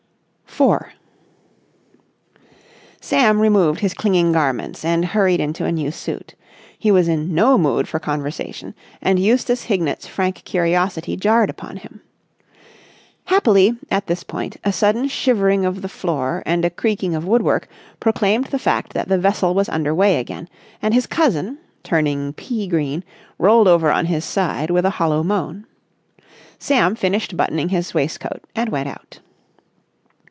§ 4 Sam removed his clinging garments and hurried into a new suit. He was in no mood for conversation and Eustace Hignett's frank curiosity jarred upon him. Happily, at this point, a sudden shivering of the floor and a creaking of woodwork proclaimed the fact that the vessel was under way again, and his cousin, turning pea green, rolled over on his side with a hollow moan. Sam finished buttoning his waistcoat and went out.